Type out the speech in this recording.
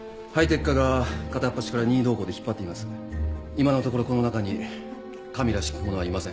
今のところこの中に神らしき者はいません。